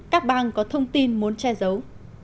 các bang có thông tin muốn che giấu